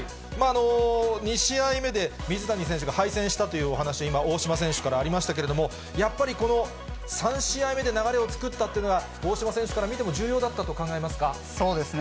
２試合目で水谷選手が敗戦したというお話、今、大島選手からありましたけれども、やっぱりこの３試合目で流れを作ったっていうのは、大島選手からそうですね。